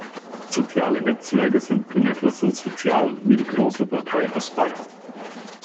Soziale Netzwerke sind in etwa so sozial wie die große Partei aus Bayern.